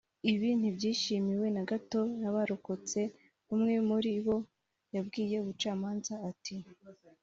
Ibi ntibyishimiwe na gato n’abarokotse; umwe muri bo yabwiye ubucamanza ati